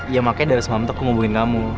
ya makanya dari semalam itu aku hubungin kamu